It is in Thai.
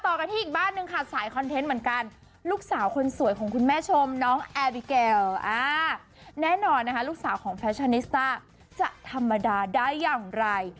ต่อกันที่อีกบ้านหนึ่งค่ะสายคอนเทนต์เหมือนกันลูกสาวคนสวยของคุณแม่ชมน้องแอร์บิเกลแน่นอนนะคะลูกสาวของแฟชั่นนิสต้าจะธรรมดาได้อย่างไร